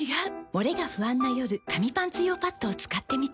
モレが不安な夜紙パンツ用パッドを使ってみた。